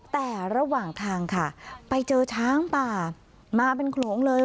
แต่ระหว่างทางค่ะไปเจอช้างป่ามาเป็นโขลงเลย